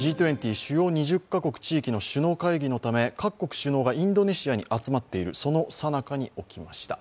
Ｇ２０＝主要２０か国・地域の首脳会議のため各国首脳がインドネシアに集まっている、そのさなかに起きました。